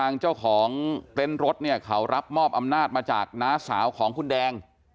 น้าสาวของคุณแดง